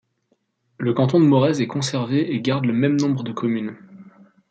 Le canton de Morez est conservé et garde le même nombre de communes.